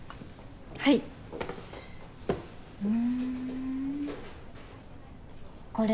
はいふんこれ